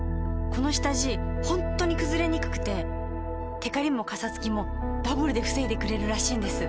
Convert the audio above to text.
この下地ホントにくずれにくくてテカリもカサつきもダブルで防いでくれるらしいんです。